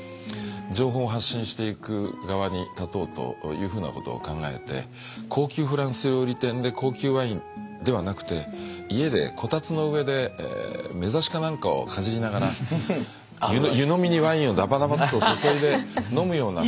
情報を発信していく側に立とうというふうなことを考えて高級フランス料理店で高級ワインではなくて家でこたつの上でめざしか何かをかじりながら湯飲みにワインをダバダバッと注いで飲むような。